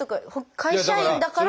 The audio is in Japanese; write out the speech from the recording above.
会社員だから。